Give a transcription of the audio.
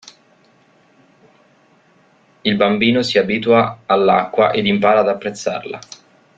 Il bambino si abitua all'acqua ed impara ad apprezzarla.